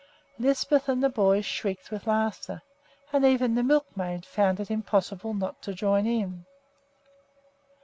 Lisbeth and the boys shrieked with laughter, and even the milkmaid found it impossible not to join in.